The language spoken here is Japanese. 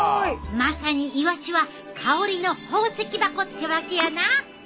まさにイワシは香りの宝石箱ってわけやな！